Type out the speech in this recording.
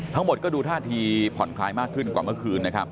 ทั้งหมดก็ดูท่าทีผ่อนคลายมากขึ้นกว่าเมื่อคืนนะครับ